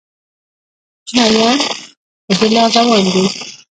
چینایان په دې لار روان دي.